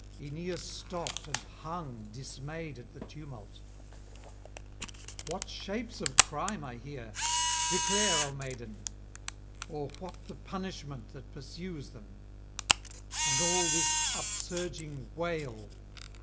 Aeneas stopped and hung dismayed at the tumult. 'What shapes of crime are here? declare, O maiden; or what the punishment that pursues them, and all this upsurging wail?'